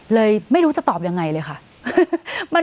ไม่รู้จะตอบยังไงเลยค่ะ